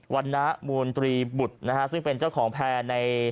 รณมูลตรีบุตรนะฮะซึ่งเป็นเจ้าของแพร่ใน